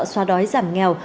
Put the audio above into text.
xoa đói giảm nghèo